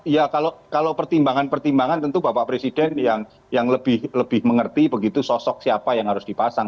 ya kalau pertimbangan pertimbangan tentu bapak presiden yang lebih mengerti begitu sosok siapa yang harus dipasang